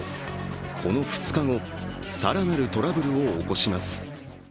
この２日後、更なるトラブルを起こします。